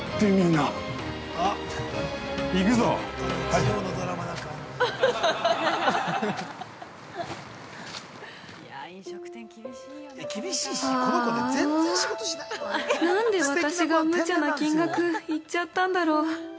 なんで私がむちゃな金額言っちゃったんだろう。